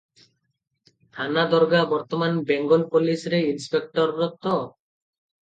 ଥାନା ଦରୋଗା ବର୍ତ୍ତମାନ ବେଙ୍ଗଲ ପୋଲିସରେ ଇନ୍ସପେକଟର ତ?